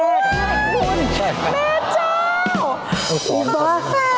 แม่คุณแม่เจ้าคุณพ่อเฟศคุณพ่อ